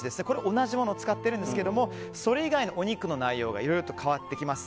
同じものを使っているんですがそれ以外のお肉の内容がいろいろと変わってきます。